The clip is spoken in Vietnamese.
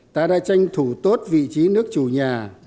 ta đã tranh thủ tốt vị trí nước chủ nhà